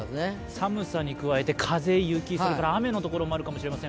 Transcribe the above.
寒さに加えて、風、雪、それから雨のところもあるかもしれません。